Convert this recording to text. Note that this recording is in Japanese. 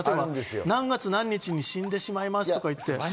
何月何日までに死んでしまいますとか。